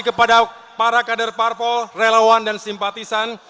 terima kasih kepada para kader parpol relawan dan simpatisan